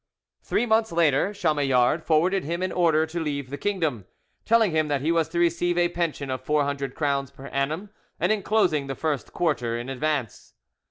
Three months later, Chamillard forwarded him an order to leave the kingdom, telling him that he was to receive a pension of four hundred crowns per annum, and enclosing the first quarter in advance.